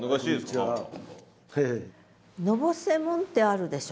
「のぼせもん」ってあるでしょ？